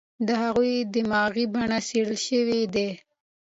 د هغوی دماغي بڼې څېړل شوې دي.